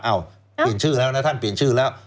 เปลี่ยนชื่อแล้วนะท่านเปลี่ยนชื่อแล้ว